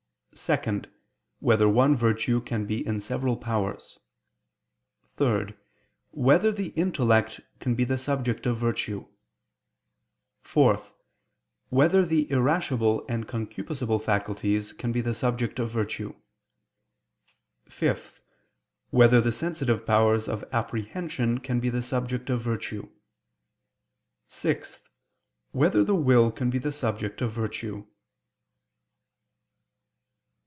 (2) Whether one virtue can be in several powers? (3) Whether the intellect can be the subject of virtue? (4) Whether the irascible and concupiscible faculties can be the subject of virtue? (5) Whether the sensitive powers of apprehension can be the subject of virtue? (6) Whether the will can be the subject of virtue?